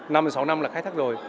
sáu năm là khai thác rồi